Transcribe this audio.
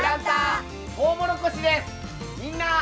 みんな！